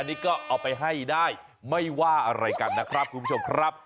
อันนี้ก็ให้ได้ไม่ว่าอะไรกันนะครับ